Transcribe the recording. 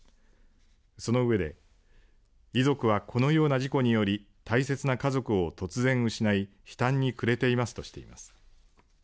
その上で遺族はこのような事故により大切な家族を突然失い悲嘆にくれていますとしています。